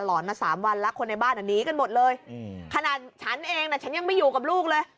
อนมาสามวันแล้วคนในบ้านอ่ะหนีกันหมดเลยขนาดฉันเองน่ะฉันยังไม่อยู่กับลูกเลย